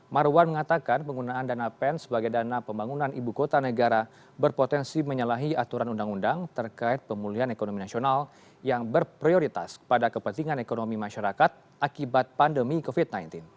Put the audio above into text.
marwan mengatakan penggunaan dana pen sebagai dana pembangunan ibu kota negara berpotensi menyalahi aturan undang undang terkait pemulihan ekonomi nasional yang berprioritas pada kepentingan ekonomi masyarakat akibat pandemi covid sembilan belas